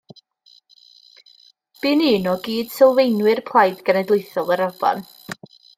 Bu'n un o gyd-sylfaenwyr Plaid Genedlaethol yr Alban.